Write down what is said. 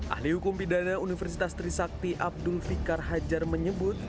ahli hukum pidana universitas trisakti abdul fikar hajar menyebut